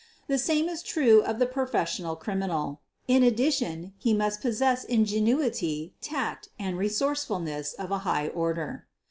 The same is true of the professional criminal. In addition, he must possess ingenuity, tact, and resourcefulness of a high order.